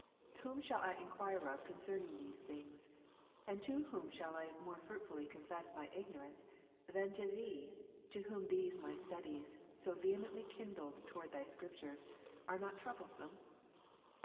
Whom shall I enquire of concerning these things? and to whom shall I more fruitfully confess my ignorance, than to Thee, to Whom these my studies, so vehe mently kindled toward Thy Scriptures, are not troublesome